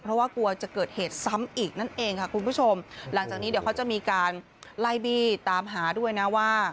เพราะว่ากลัวจะเกิดเหตุซ้ำอีกนั่นเองค่ะคุณผู้ชมหลังจากนี้เดี๋ยวเขาจะมีการไล่บี้ตามหาด้วยนะว่า